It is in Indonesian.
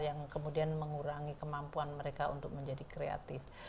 yang kemudian mengurangi kemampuan mereka untuk menjadi kreatif